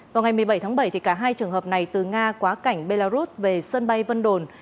vào ngày một mươi bảy tháng bảy cả hai trường hợp này từ nga quá cảnh belarus về sân bay vân đồn